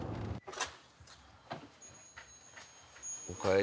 おかえり。